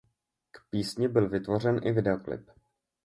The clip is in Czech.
K písni byl vytvořen i videoklip.